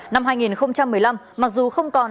năm hai nghìn một mươi năm mặc dù không còn